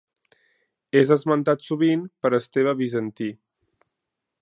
És esmentat sovint per Esteve Bizantí.